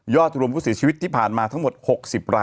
รวมผู้เสียชีวิตที่ผ่านมาทั้งหมด๖๐ราย